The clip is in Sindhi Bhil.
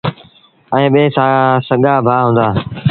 ائيٚݩ ٻئيٚ سڳآ ڀآ هُݩدآ۔